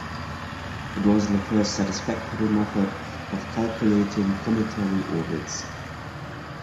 It was the first satisfactory method of calculating cometary orbits.